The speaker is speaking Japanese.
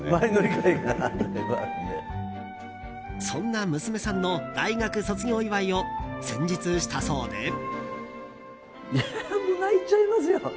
そんな娘さんの大学卒業祝いを先日したそうで。